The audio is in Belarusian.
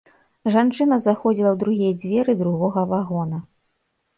Жанчына заходзіла ў другія дзверы другога вагона.